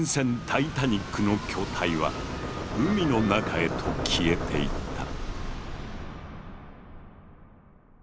タイタニックの巨体は海の中へと消えていった。